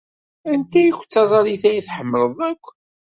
Anta ay d taẓallit ay tḥemmleḍ akk?